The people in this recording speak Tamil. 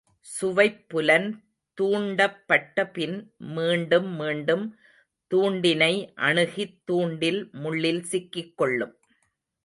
சுவைப்புலன் தூண்டப்பட்ட பின் மீண்டும் மீண்டும் துண்டினை அணுகித் தூண்டில் முள்ளில் சிக்கிக் கொள்ளும்.